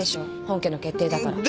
本家の決定だから。